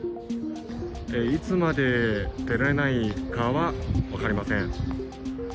いつまで出られないかは、分かりません。